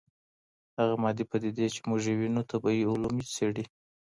هغه مادي پدیدې چې موږ یې وینو طبیعي علوم یې څېړي.